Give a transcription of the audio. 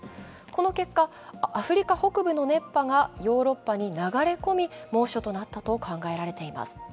この結果、アフリカ北部の熱波がヨーロッパに流れ込み猛暑となったと考えられています。